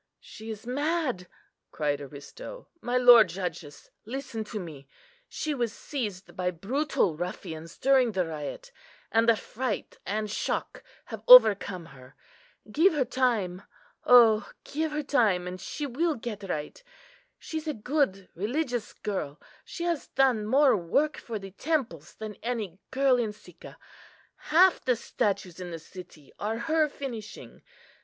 "She is mad!" cried Aristo; "my lord judges, listen to me. She was seized by brutal ruffians during the riot, and the fright and shock have overcome her. Give her time, oh! give her time, and she will get right. She's a good religious girl; she has done more work for the temples than any girl in Sicca; half the statues in the city are her finishing.